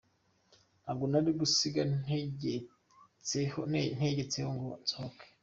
Ntabwo nari gusiga ntegetseho ngo nsohoke.